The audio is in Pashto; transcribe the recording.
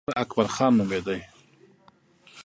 د ټیکسي ډریور اکبرخان نومېده.